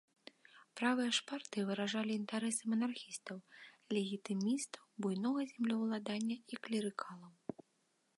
Правыя ж партыі выражалі інтарэсы манархістаў, легітымістаў, буйнога землеўладання і клерыкалаў.